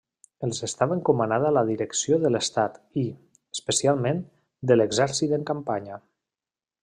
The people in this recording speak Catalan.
Els estava encomanada la direcció de l'estat i, especialment, de l'exèrcit en campanya.